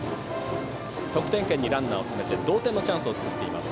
得点圏にランナーを進めて同点のチャンスを作っています。